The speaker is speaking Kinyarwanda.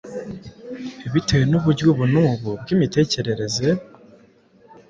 bitewe n’uburyo ubu n’ubu bw’imitekerereze.